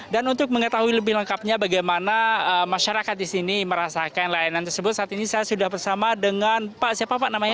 dan untuk mengetahui lebih lengkapnya bagaimana masyarakat di sini merasakan layanan tersebut saat ini saya sudah bersama dengan pak siapa pak namanya